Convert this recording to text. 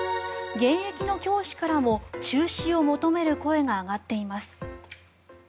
現役の教師からも中止を求める声が上がっています。